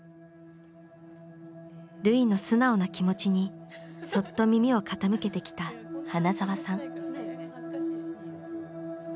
瑠唯の素直な気持ちにそっと耳を傾けてきた花澤さん。